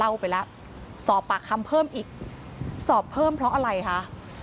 ไปแล้วสอบปากคำเพิ่มอีกสอบเพิ่มเพราะอะไรคะ